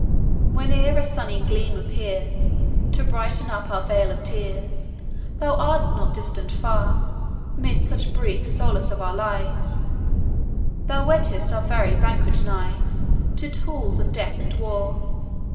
Whene'er a sunny gleam appears, To brighten up our vale of tears, Thou art not distant far; 'Mid such brief solace of our lives, Thou whett'st our very banquet knives To tools of death and war.